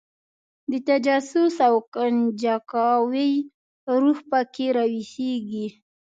د تجسس او کنجکاوۍ روح په کې راویښېږي.